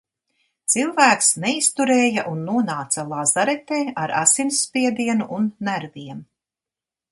Cilvēks neizturēja un nonāca lazaretē ar asinsspiedienu un nerviem.